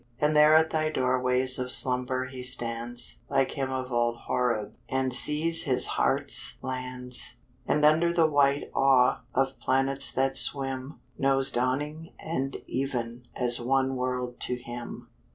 And there at thy doorways Of slumber he stands, Like him of old Horeb, And sees his heart's lands; And under the white awe Of planets that swim, Knows dawning and even As one world to him.